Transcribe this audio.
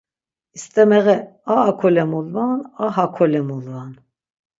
İst̆emeğe a hekole mulvan a hakole mulvan.